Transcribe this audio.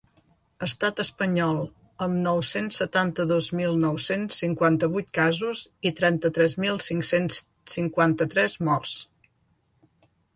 Estat espanyol, amb nou-cents setanta-dos mil nou-cents cinquanta-vuit casos i trenta-tres mil cinc-cents cinquanta-tres morts.